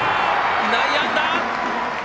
内野安打！